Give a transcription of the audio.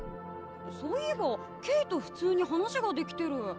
そういえばケイと普通に話ができてる。